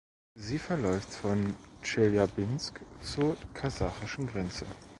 Sie verläuft von Tscheljabinsk zur kasachischen Grenze.